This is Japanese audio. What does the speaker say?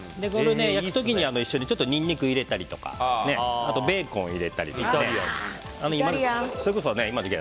焼く時に一緒にニンニクを入れたりあとベーコンを入れたりとか。